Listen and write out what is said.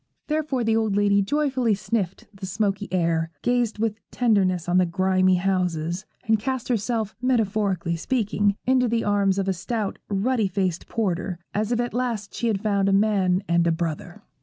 Therefore the old lady joyfully sniffed the smoky air, gazed with tenderness on the grimy houses, and cast herself, metaphorically speaking, into the arms of a stout, ruddy faced porter, as if at last she had found a man and a brother.